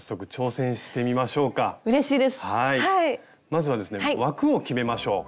まずはですね枠を決めましょう。